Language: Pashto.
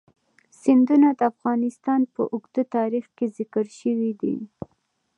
سیندونه د افغانستان په اوږده تاریخ کې ذکر شوی دی.